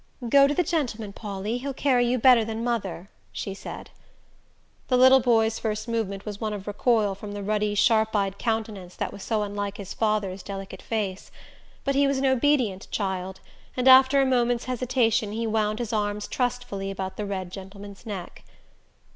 "Go to the gentleman, Pauly he'll carry you better than mother," she said. The little boy's first movement was one of recoil from the ruddy sharp eyed countenance that was so unlike his father's delicate face; but he was an obedient child, and after a moment's hesitation he wound his arms trustfully about the red gentleman's neck.